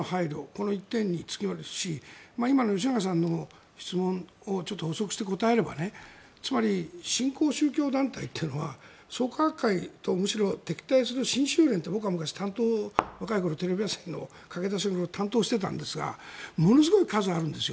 この１点に尽きるし今の吉永さんの質問にちょっと補足して答えればつまり新興宗教団体というのは創価学会とむしろ敵対する新宗連と僕が昔、若い頃テレビ朝日の駆け出しの頃担当していたんですがものすごい数あるんです。